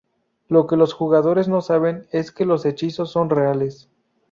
Lo que los jugadores no saben es que los hechizos son reales.